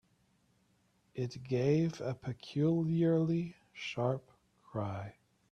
It gave a peculiarly sharp cry.